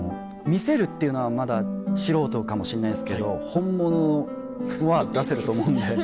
見せるっていうのはまだ素人かもしんないっすけど本物は出せると思うので。